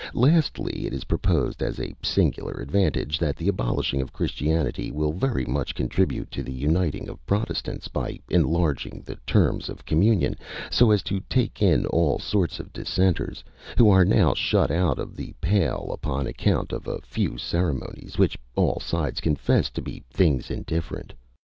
Lastly, it is proposed, as a singular advantage, that the abolishing of Christianity will very much contribute to the uniting of Protestants, by enlarging the terms of communion, so as to take in all sorts of Dissenters, who are now shut out of the pale upon account of a few ceremonies, which all sides confess to be things indifferent.